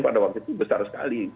pada waktu itu besar sekali